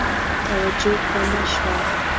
توجه کمه شوه.